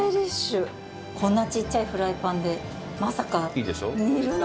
こんなちっちゃいフライパンでまさか煮るなんて！